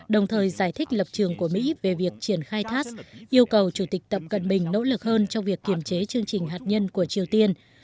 đồng thời giải thích lập trường của mỹ về việc triển khai thác yêu cầu chủ tịch tập cận bình nỗ lực hơn trong việc kiềm chế chương trình hạt nhân của triều tiên